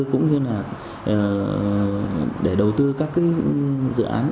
cũng như là để đầu tư các dự án